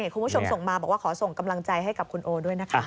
คุณผู้ชมส่งมาบอกว่าขอส่งกำลังใจให้กับคุณโอด้วยนะคะ